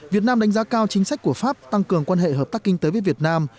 việt nam đánh giá cao chính sách của pháp tăng cường quan hệ hợp tác kinh tế với việt nam